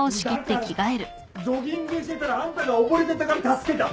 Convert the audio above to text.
だからジョギングしてたらあんたが溺れてたから助けた！